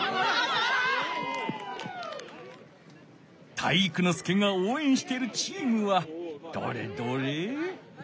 体育ノ介がおうえんしているチームはどれどれ。